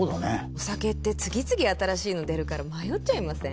お酒って次々新しいの出るから迷っちゃいません？